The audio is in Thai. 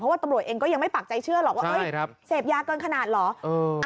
ว่าตำรวจเองก็ยังไม่ปากใจเชื่อหรอกว่าเสพยาเกินขนาดเหรอ